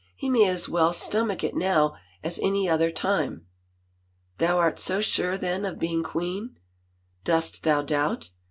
" He may as well stom ach it now as any other time !" "Thou art so sure then of being — queen?" " Dost thou doubt